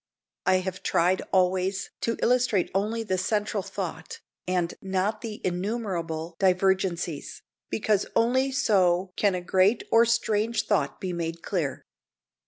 I have tried always to illustrate only the central thought, and not the innumerable divergencies, because only so can a great or strange thought be made clear.